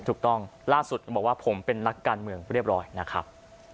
ถูกต้องล่าสุดบอกว่าผมเป็นนักการเมืองเรียบร้อยนะครับ